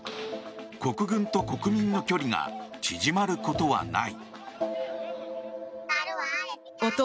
国軍と国民の距離が縮まることはない。